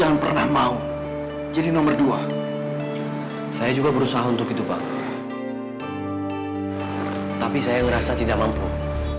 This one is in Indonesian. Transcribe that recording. malahan dia juga yang ngerebut cewek saya bang